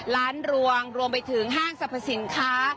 ร้านรวงรวมไปถึงห้างสรรพสินค้า